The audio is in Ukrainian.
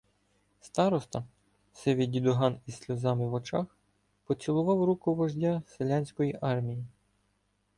Староста — сивий дідуган зі сльозами в очах — поцілував руку вождя селянської армії.